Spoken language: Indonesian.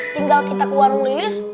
tinggal kita ke warung lilis